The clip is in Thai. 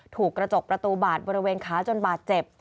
ถูกกระจกประตูบาดบริเวณขาจนบาดเจ็บ